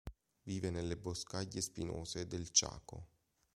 Vive nelle boscaglie spinose del Chaco.